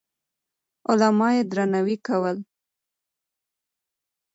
علما يې درناوي کول.